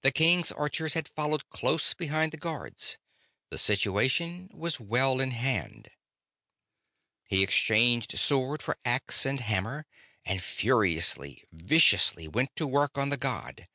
The King's Archers had followed close behind the Guards; the situation was well in hand. He exchanged sword for axe and hammer, and furiously, viciously, went to work on the god.